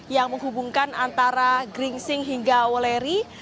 yang menghubungkan antara gringsing hingga woleri